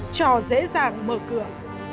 cho dễ dàng mở cửa